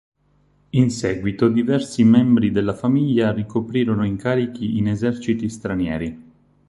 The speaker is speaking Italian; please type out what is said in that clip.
In seguito diversi membri della famiglia ricoprirono incarichi in eserciti stranieri.